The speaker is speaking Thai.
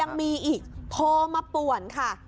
ยังมีอีกโทรมาป่วนค่ะ